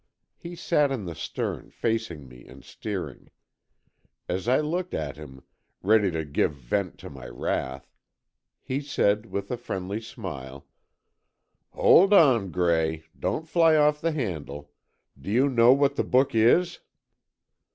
He sat in the stern, facing me and steering. As I looked at him, ready to give vent to my wrath, he said, with a friendly smile: "Hold on, Gray. Don't fly off the handle. Do you know what the book is?"